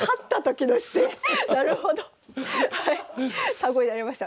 参考になりました。